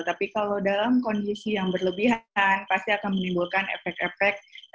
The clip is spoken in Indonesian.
tapi kalau dalam kondisi yang berlebihan pasti akan menimbulkan efek efek